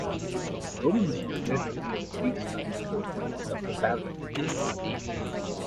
Romans would later wear the Greek-styled cloak, the "pallium".